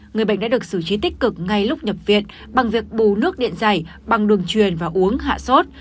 người bệnh đã được xử trí tích cực ngay lúc nhập viện bằng việc bù nước điện dày bằng đường truyền và uống hạ sốt